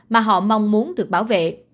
mà họ mong muốn được bảo vệ